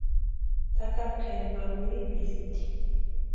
Tsakapu kʼeri ma wirhipʼisti.